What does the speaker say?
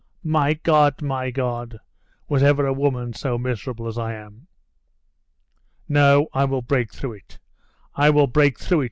My God! my God! Was ever a woman so miserable as I am?..." "No; I will break through it, I will break through it!"